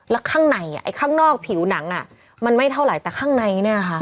แล้วข้างในข้างนอกผิวหนังมันไม่เท่าไหร่แต่ข้างในเนี่ยค่ะ